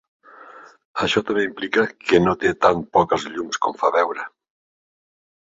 Això també implica que no té tan poques llums com fa veure.